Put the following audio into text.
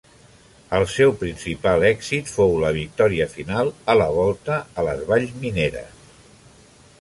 El seu principal èxit fou la victòria final a la Volta a les Valls Mineres.